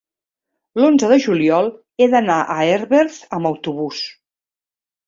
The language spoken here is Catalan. L'onze de juliol he d'anar a Herbers amb autobús.